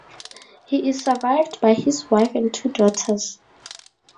He is survived by his wife and two daughters.